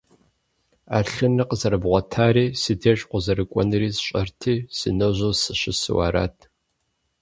Ӏэлъыныр къызэрыбгъуэтари си деж укъызэрыкӀуэнури сщӀэрти, сыножьэу сыщысу арат.